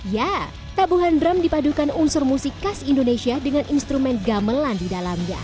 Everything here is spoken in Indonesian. ya tabuhan drum dipadukan unsur musik khas indonesia dengan instrumen gamelan di dalamnya